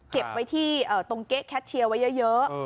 เก็บไว้ที่ตรงเก๊ะแคทเชียร์ไว้เยอะ